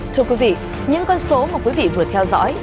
thưa quý vị những con số mà quý vị vừa theo dõi